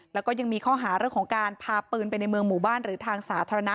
แล้วก็ยังมีข้อหาเรื่องของการพาปืนไปในเมืองหมู่บ้านหรือทางสาธารณะ